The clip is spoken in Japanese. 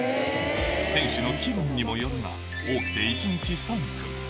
店主の気分にもよるが、多くて１日３組。